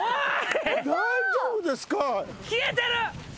大丈夫ですか？